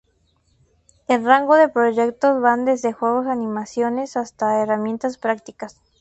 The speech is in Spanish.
El rango de proyectos van desde juegos animaciones hasta herramientas prácticas.